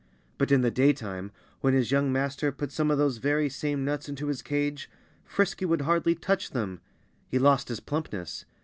But in the daytime, when his young master put some of those very same nuts into his cage, Frisky would hardly touch them. He lost his plumpness.